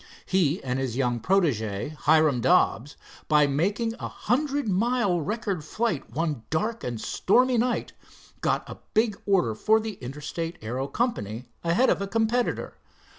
He and his young protege, Hiram Dobbs, by making a hundred mile record flight one dark and stormy night, got a big order for the Interstate Aero Company ahead of a competitor.